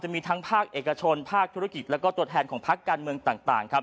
มีทั้งภาคเอกชนภาคธุรกิจแล้วก็ตัวแทนของพักการเมืองต่างครับ